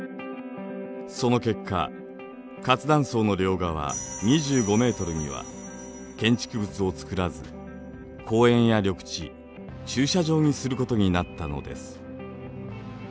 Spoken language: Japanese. その結果活断層の両側２５ｍには建築物をつくらず公園や緑地駐車場にすることになったのです。